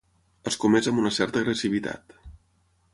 Escomesa amb una certa agressivitat.